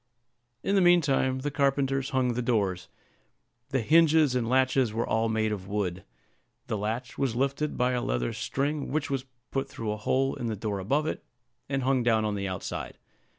In the mean time the carpenters hung the doors. The hinges and latches were all made of wood. The latch was lifted by a leather string, which was put through a hole in the door above it, and hung down on the outside.